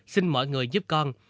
xin mọi người giúp con